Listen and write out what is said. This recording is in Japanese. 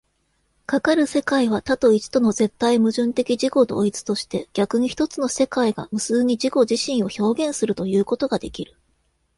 かかる世界は多と一との絶対矛盾的自己同一として、逆に一つの世界が無数に自己自身を表現するということができる。